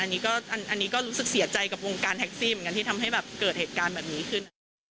อันนี้ก็รู้สึกเสียใจกับวงการแท็กซี่เหมือนกันที่ทำให้แบบเกิดเหตุการณ์แบบนี้ขึ้น